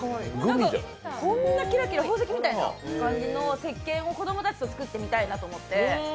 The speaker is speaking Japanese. こんなキラキラ、宝石みたいな感じのせっけんを子どもたちと作ってみたいなと思って。